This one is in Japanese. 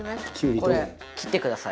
これ切ってください。